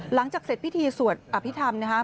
หลังจากเสร็จพิธีสวดอภิษฐรรมนะครับ